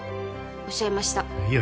おっしゃいましたいいよ